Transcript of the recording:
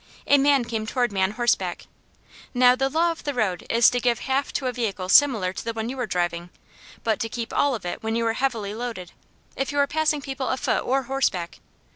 A man came toward me on horseback. Now the law of the road is to give half to a vehicle similar to the one you are driving, but to keep all of it when you are heavily loaded, if you are passing people afoot or horseback.